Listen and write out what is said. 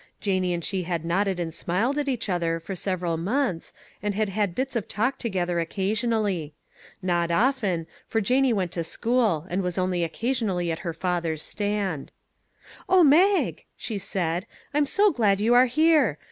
Janie and she had nodded and smiled at each other, for several months, and had had bits of talk together, occasionally. Not often, for Janie went to school, and was only occa sionally at her father's stand. " O Mag !" she said, " I'm so glad you are here.